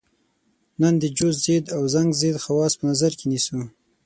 نن د جوش ضد او زنګ ضد خواص په نظر کې نیسو.